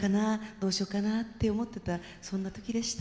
どうしようかな？って思ってたそんな時でした。